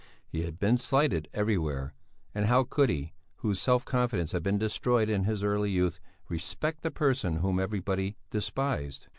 He had been slighted everywhere, and how could he, whose self confidence had been destroyed in his early youth, respect a person whom everybody despised?